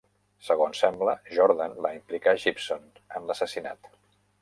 Segons sembla, Jordan va implicar Gibson en l'assassinat.